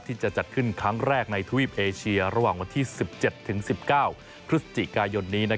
ที่จะจัดขึ้นครั้งแรกในทวีปเอเชียระหว่างวันที่๑๗๑๙พฤศจิกายนนี้